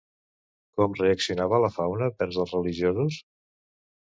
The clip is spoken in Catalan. Com reaccionava la fauna vers els religiosos?